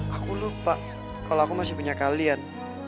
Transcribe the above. aku lupa kalau aku masih punya kalian